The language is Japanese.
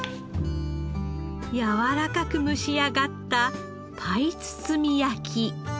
柔らかく蒸し上がったパイ包み焼き。